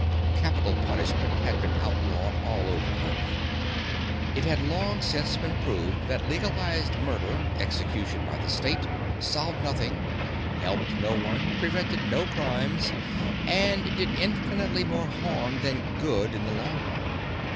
Capital punishment had been outlawed all over Earth; it had long since been proved that legalized murder, execution by the State, solved nothing, helped no one, prevented no crimes, and did infinitely more harm than good in the long run.